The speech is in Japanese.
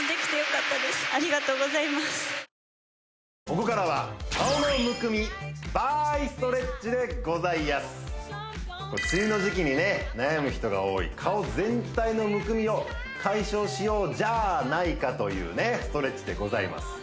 ここからは梅雨の時期にね悩む人が多い顔全体のむくみを解消しようじゃないかというねストレッチでございます